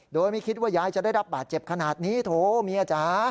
โดยไม่คิดว่ายายจะได้รับบาดเจ็บขนาดนี้โถเมียจ๋า